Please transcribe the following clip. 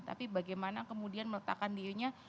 tapi bagaimana kemudian meletakkan dirinya